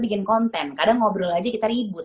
bikin konten kadang ngobrol aja kita ribut